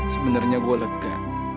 sebenernya gue lega